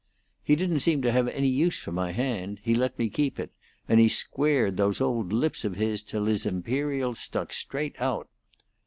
He didn't seem to have any use for my hand; he let me keep it, and he squared those old lips of his till his imperial stuck straight out.